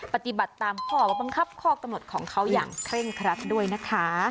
ปฏิบัติตามข้อบังคับข้อกำหนดของเขาอย่างเคร่งครัดด้วยนะคะ